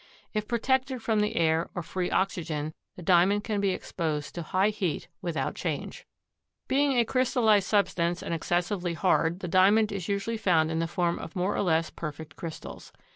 If protected from the air or free oxygen, the Diamond can be exposed to high heat without change. Being a crystallized substance and excessively hard the Diamond is usually found in the form of more or less perfect crystals.